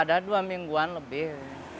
ada dua mingguan lebih